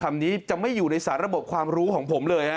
คำนี้จะไม่อยู่ในสารระบบความรู้ของผมเลยฮะ